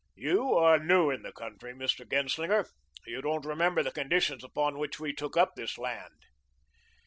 You are new in the country, Mr. Genslinger. You don't remember the conditions upon which we took up this land."